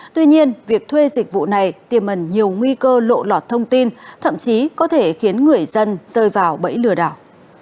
tuy nhiên việc thuê dịch vụ này tiềm ẩn nhiều nguy cơ lộ lọt thông tin thậm chí có thể khiến người dân rơi vào bẫy lừa đảo